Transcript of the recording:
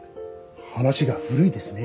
話が古いですね